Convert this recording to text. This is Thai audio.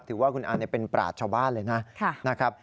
ถือว่าคุณอันนี้เป็นปราชบ้านเลยนะครับ